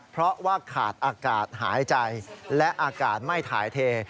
เพราะว่าขาดอากาศหายใจและอากาศไม่ถ่ายเท